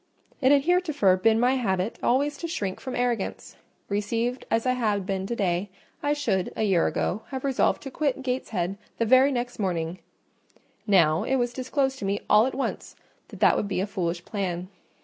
It had heretofore been my habit always to shrink from arrogance: received as I had been to day, I should, a year ago, have resolved to quit Gateshead the very next morning; now, it was disclosed to me all at once that that would be a foolish plan.